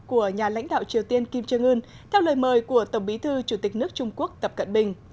của nhà lãnh đạo triều tiên kim trương ươn theo lời mời của tổng bí thư chủ tịch nước trung quốc tập cận bình